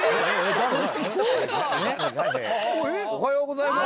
おはようございます。